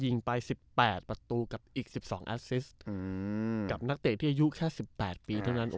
ยิงไปสิบแปดประตูกับอีกสิบสองอืมกับนักเตะที่อายุแค่สิบแปดปีเท่านั้น